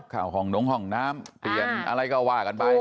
ข่าวของหนุ่งของน้ำเปลี่ยนอะไรก็ว่ากันไป